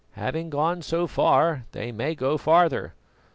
Having gone so far, they may go farther.